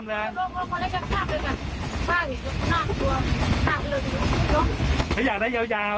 ไม่ได้ที่นี่มันข้ามได้